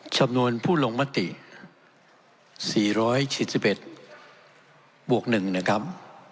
จำนวนผู้ลงมติ๔๔๑บวก๑นะครับ